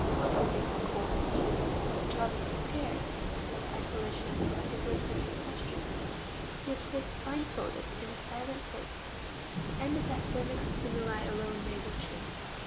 In the case of cold and heat, the child is "prepared" by the isolation of the particular sense in question; he is placed blindfolded in a silent place, to the end that thermic stimuli alone may reach him.